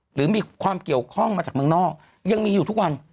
หรือมีความเกี่ยวข้องมาจากเมืองนอกยังมีอยู่ทุกวัน